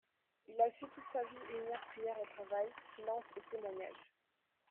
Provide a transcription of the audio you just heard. Il a su toute sa vie unir prière et travail, silence et témoignage.